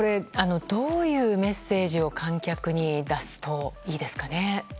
どういうメッセージを観客に出すといいですかね。